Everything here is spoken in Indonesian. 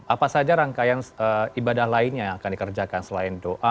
apa saja rangkaian ibadah lainnya yang akan dikerjakan selain doa